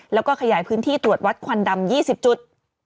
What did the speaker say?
แล้วก็ขยายพื้นที่ตรวจวัดควันดำ๒๐จุด